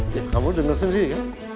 ya kamu denger sendiri kan